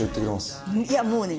いやもうね。